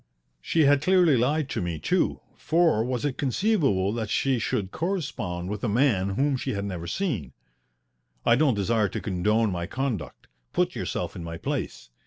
She had clearly lied to me, too, for was it conceivable that she should correspond with a man whom she had never seen? I don't desire to condone my conduct. Put yourself in my place.